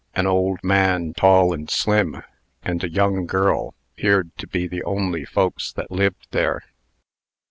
An old man, tall and slim, and a young girl, 'peared to be the only folks that lived there.